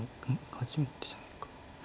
初めてじゃないか。